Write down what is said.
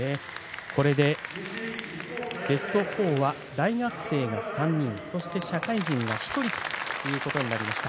これでベスト４は大学生が３人そして社会人が１人ということになりました。